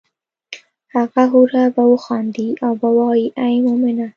هغه حوره به وخاندي هم به وائي ای مومنه!